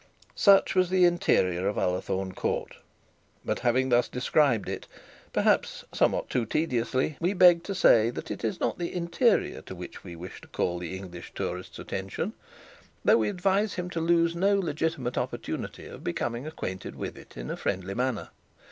Such was the interior of Ullathorne Court. But having thus described it, perhaps somewhat too tediously, we beg to say that it is not the interior to which we wish to call the English tourist's attention, though we advise him to lose no legitimate opportunity of becoming acquainted with it in a friendly manner.